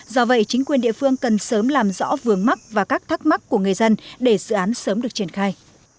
do vậy chính quyền địa phương cần sớm làm rõ vườn mắt và các thắc mắc của người dân để dự án sớm được triển khai